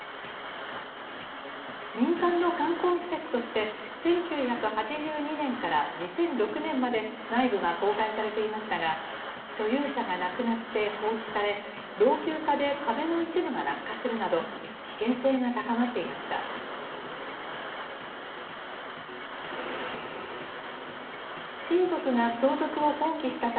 民間の観光施設として、１９８２年から２００６年まで、内部が公開されていましたが、所有者が亡くなって放置され、老朽化で壁の一部が落下するなど、危険性が高まっていました。